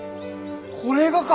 これがか！